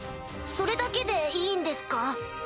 それだけでいいんですか？